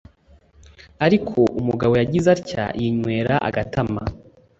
ariko umugabo yagize atya yinywera agatama,